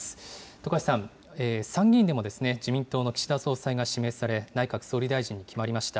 徳橋さん、参議院でも自民党の岸田総裁が指名され、内閣総理大臣に決まりました。